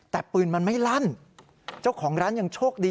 แต่ปืนมันไม่ลั่นเจ้าของร้านยังโชคดี